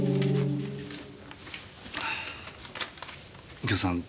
右京さん